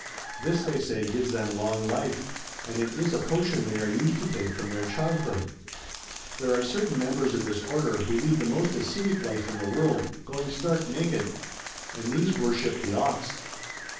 This, they say, gives them long life; and it is a potion they are used to take from their ciiildhood.' There are certain members ol this Order wlio lead the Chap. XX. THE JOGIS. 301 most ascetic life in the world, going stark naked ; and these worship the Ox.